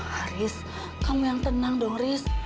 haris kamu yang tenang dong ris